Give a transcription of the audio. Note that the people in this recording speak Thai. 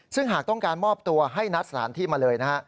ซึ่งหากต้องการมอบตัวให้นัดสถานที่มาเลยนะฮะ